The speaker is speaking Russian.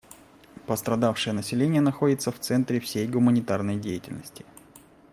Пострадавшее население находится в центре всей гуманитарной деятельности.